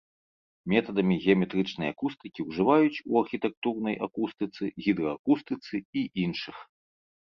Метадамі геаметрычнай акустыкі ўжываюць у архітэктурнай акустыцы, гідраакустыцы і іншых.